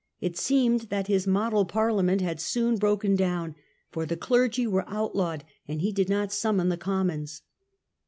It seemed that his model parliament . had soon broken down, for the clergy were outlawed and he did not summon the Commons.